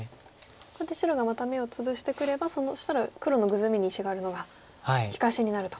ここで白がまた眼を潰してくればそしたら黒のグズミに石があるのが利かしになると。